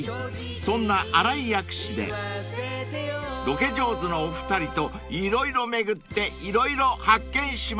［そんな新井薬師でロケ上手のお二人と色々巡って色々発見しましょう］